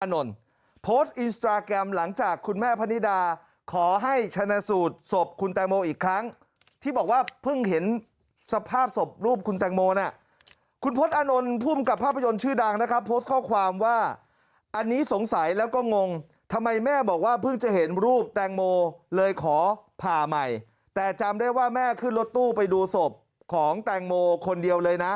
โพสต์อินสตราแกรมหลังจากคุณแม่พนิดาขอให้ชนะสูตรศพคุณแตงโมอีกครั้งที่บอกว่าเพิ่งเห็นสภาพศพรูปคุณแตงโมน่ะคุณพศอานนท์ภูมิกับภาพยนตร์ชื่อดังนะครับโพสต์ข้อความว่าอันนี้สงสัยแล้วก็งงทำไมแม่บอกว่าเพิ่งจะเห็นรูปแตงโมเลยขอผ่าใหม่แต่จำได้ว่าแม่ขึ้นรถตู้ไปดูศพของแตงโมคนเดียวเลยนะ